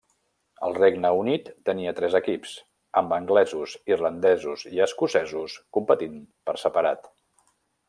El Regne Unit tenia tres equips, amb anglesos, irlandesos i escocesos competint per separat.